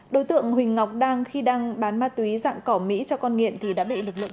đối tượng huỳnh ngọc đăng khi đang bán ma túy dạng cỏ mỹ cho con nghiện thì đã bị lực lượng